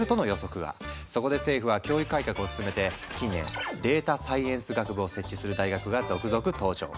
そこで政府は教育改革を進めて近年データサイエンス学部を設置する大学が続々登場。